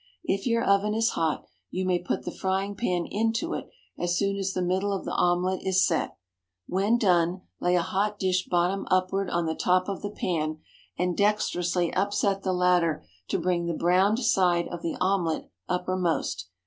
If your oven is hot, you may put the frying pan into it as soon as the middle of the omelette is set. When done, lay a hot dish bottom upward on the top of the pan, and dexterously upset the latter to bring the browned side of the omelette uppermost.